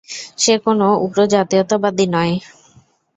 সে কোনও উগ্র জাতীয়তাবাদী নয়!